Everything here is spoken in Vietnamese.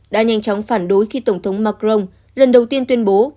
đã nhanh chóng phản đối khi tổng thống macron lần đầu tiên tuyên bố